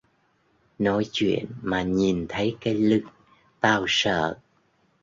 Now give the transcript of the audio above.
Nói chuyện mà nhìn thấy cái lưng tao sợ